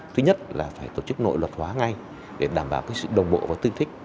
thứ nhất là phải tổ chức nội luật hóa ngay để đảm bảo sự đồng bộ và tương thích